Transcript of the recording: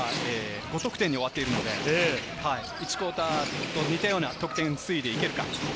５得点に終わっているので、１クオーターと似たような得点推移でいけるか。